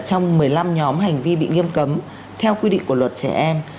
thứ hai là trong một mươi năm nhóm hành vi bị nghiêm cấm theo quy định của luật trẻ em